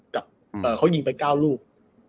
กับเขายิงไป๙ลูก